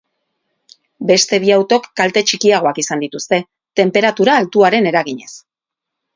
Beste bi autok kalte txikiagoak izan dituzte, tenperatura altuaren eraginez.